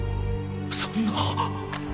そんな。